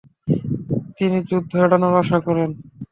তিনি যুদ্ধ এড়ানোর আশা করেন।